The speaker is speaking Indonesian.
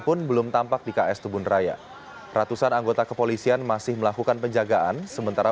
pun belum tampak di ks tubun raya ratusan anggota kepolisian masih melakukan penjagaan sementara